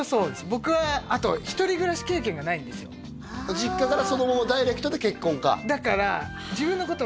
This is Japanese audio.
僕はあと実家からそのままダイレクトで結婚かだから自分のこと